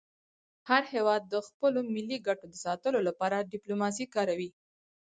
هر هېواد د خپلو ملي ګټو د ساتلو لپاره ډيپلوماسي کاروي.